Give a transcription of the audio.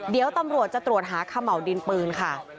เดี๋ยวตำรวจจะตรวจหาเขม่าวดินปืนค่ะ